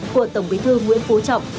của tổng bí thư nguyễn phú trọng